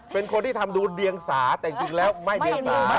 เป็นคนที่ทำดูเดียงสาแต่จริงแล้วไม่เดียงสา